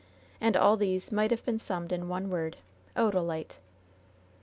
And all these might have been summed in one word — "Odalite."